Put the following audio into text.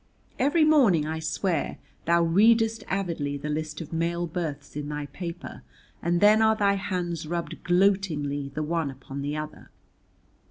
Every morning, I swear, thou readest avidly the list of male births in thy paper, and then are thy hands rubbed gloatingly the one upon the other.